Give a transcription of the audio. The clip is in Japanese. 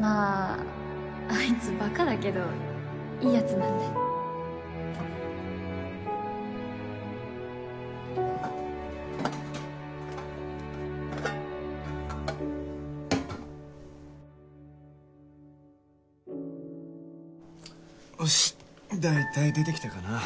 まぁあいつバカだけどいいヤツなんでおし大体出て来たかな。